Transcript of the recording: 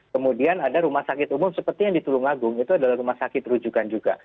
kemudian ada rumah sakit umum seperti yang di tulungagung itu adalah rumah sakit rujukan juga